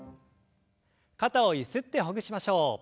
肩をゆすってほぐしましょう。